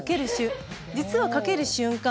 実は掛ける瞬間